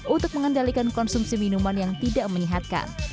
untuk mengendalikan konsumsi minuman yang tidak menyehatkan